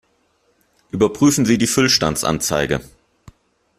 Überprüfen Sie die Füllstandsanzeige!